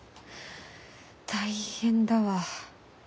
大変だわ。